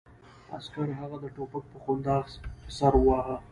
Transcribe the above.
عسکر هغه د ټوپک په کنداغ په سر وواهه